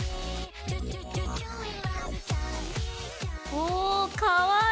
おかわいい！